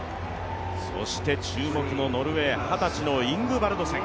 そして注目のノルウェー二十歳のイングバルドセン。